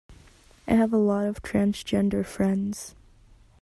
I have a lot of transgender friends